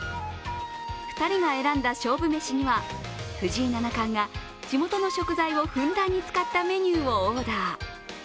２人が選んだ勝負めしには、藤井七冠が地元の食材をふんだんに使ったメニューをオーダー。